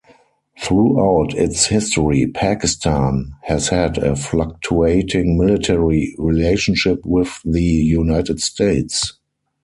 Throughout its history, Pakistan has had a fluctuating military relationship with the United States.